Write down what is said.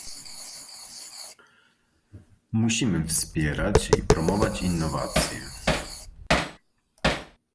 Musimy wspierać i promować innowacje